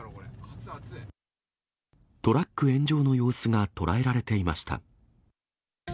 トラック炎上の様子が捉えられていました。